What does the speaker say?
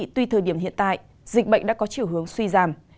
tuy thời điểm hiện tại dịch bệnh đã có chiều hướng suy giảm